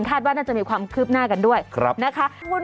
คาดว่าน่าจะมีความคืบหน้ากันด้วยครับนะคะขอบคุณ